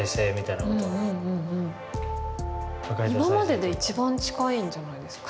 今までで一番近いんじゃないんですか。